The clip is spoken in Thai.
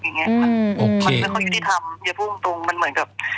มันมีค่อยยุติธรรมอย่าพูดจริงมันเหมือนแบบ